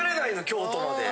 京都まで。